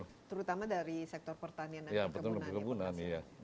terutama dari sektor pertanian dan perkebunan ya